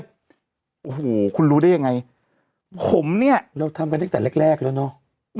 โอ้โหคุณรู้ได้ยังไงผมเนี่ยเราทำกันตั้งแต่แรกแรกแล้วเนอะ